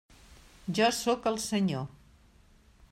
Jo sóc el Senyor.